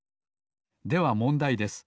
ではもんだいです。